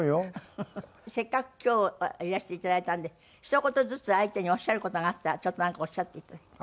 せっかく今日はいらしていただいたんでひと言ずつ相手におっしゃる事があったらちょっとなんかおっしゃっていただいて。